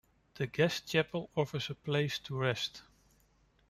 The guest chapel offers a place to rest.